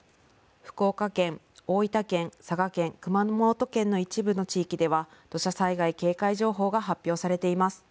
福岡県、大分県、佐賀県熊本県の一部の地域では土砂災害警戒情報が発表されています。